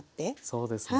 そうですね。